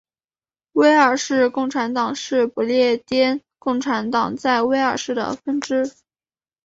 威尔士共产党是不列颠共产党在威尔士的分支。